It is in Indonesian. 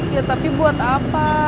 ya tapi buat apa